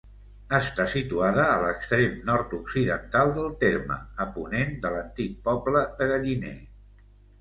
Està situada a l'extrem nord-occidental del terme, a ponent de l'antic poble de Galliner.